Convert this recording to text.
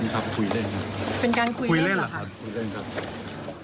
เป็นการคุยเล่นหรือครับ